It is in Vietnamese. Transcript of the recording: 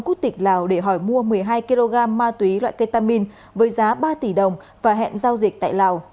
quốc tịch lào để hỏi mua một mươi hai kg ma túy loại ketamin với giá ba tỷ đồng và hẹn giao dịch tại lào